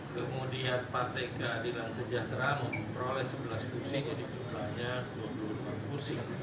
kemudian partai keadilan sejahtera memperoleh sebelas fungsi jadi jumlahnya dua puluh empat fungsi